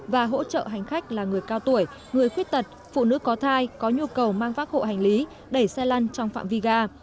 và hỗ trợ hành khách là người cao tuổi người khuyết tật phụ nữ có thai có nhu cầu mang vác hộ hành lý đẩy xe lăn trong phạm vi ga